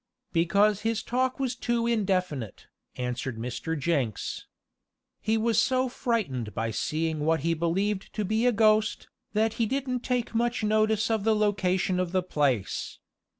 "Because his talk was too indefinite," answered Mr. Jenks. "He was so frightened by seeing what he believed to be a ghost, that he didn't take much notice of the location of the place.